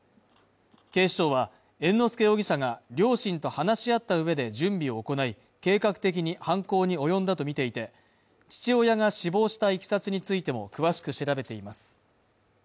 警視庁は猿之助容疑者が、両親と話し合った上で準備を行い、計画的に犯行に及んだとみていて、父親が死亡したいきさつについても詳しく調べています。